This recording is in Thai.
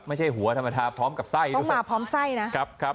ไม่ใช่หัวธรรมดาพร้อมกับไส้ด้วยตาพร้อมไส้นะครับครับ